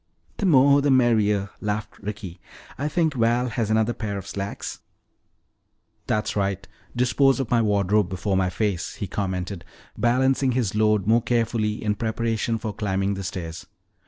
"The more the merrier," laughed Ricky. "I think Val has another pair of slacks " "That's right, dispose of my wardrobe before my face," he commented, balancing his load more carefully in preparation for climbing the stairs.